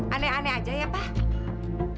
aneh aneh aja ya pak